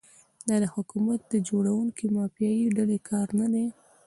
دا د حکومت د جوړونکي مافیایي ډلې کار نه دی.